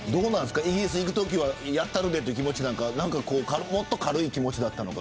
イギリス行くときはやったるでという気持ちなのかもっと軽い気持ちだったのか。